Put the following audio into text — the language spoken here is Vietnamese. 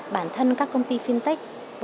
bản thân các công ty fintech